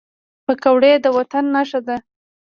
پکورې د وطن نښه ده